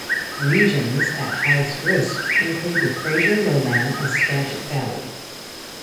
Regions at highest risk include the Fraser Lowland and Skagit Valley.